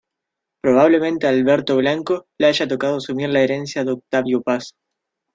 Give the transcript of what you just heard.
Probablemente a Alberto Blanco le haya tocado asumir la herencia de Octavio Paz.